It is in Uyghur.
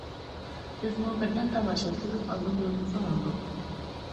بىزمۇ بىردەم تاماشا كۆرۈپ ئاندىن يولىمىزغا ماڭدۇق.